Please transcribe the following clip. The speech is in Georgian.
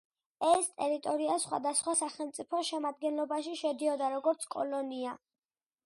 ეს ტერიტორია სხვადასხვა სახელმწიფოს შემადგენლობაში შედიოდა, როგორც კოლონია.